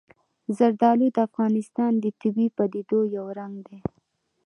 زردالو د افغانستان د طبیعي پدیدو یو رنګ دی.